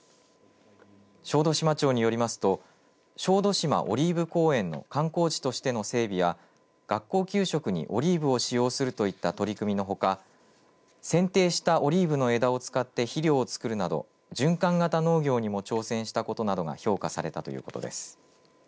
小豆島町によりますと小豆島オリーブ公園の観光地としての整備や学校給食にオリーブを使用するといった取り組みのほか選定したオリーブの枝を使って肥料を作るなど循環型農業にも挑戦したことなどが評価されたということです。